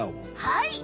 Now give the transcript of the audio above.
はい。